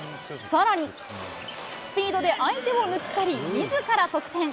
さらに、スピードで相手を抜き去り、みずから得点。